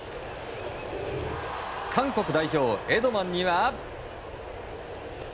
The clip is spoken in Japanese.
韓国代表、エドマンには。